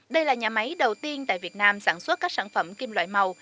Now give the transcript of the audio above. đây là nhà máy đầu tiên tại việt nam sản xuất các sản phẩm kim loại màu